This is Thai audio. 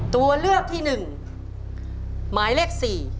ตัวเลือกที่๑หมายเลข๔